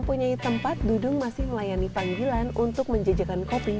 dan untuk menjaga kemampuan dudung masih melayani panggilan untuk menjaga kemampuan